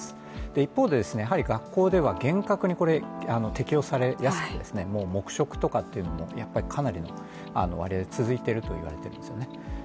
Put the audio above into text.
一方で、やはり学校では厳格に適用されやすくてもう黙食というのも、かなり続いていると言われているんですね。